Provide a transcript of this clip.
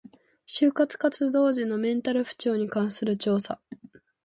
就職活動時のメンタル不調に関する調査